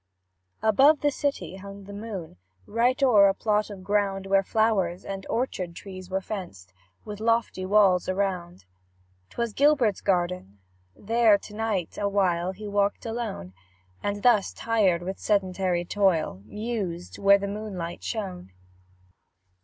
Above the city hung the moon, Right o'er a plot of ground Where flowers and orchard trees were fenced With lofty walls around: 'Twas Gilbert's garden there to night Awhile he walked alone; And, tired with sedentary toil, Mused where the moonlight shone.